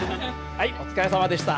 はいお疲れさまでした。